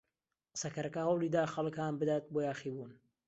قسەکەرەکە هەوڵی دا خەڵک هان بدات بۆ یاخیبوون.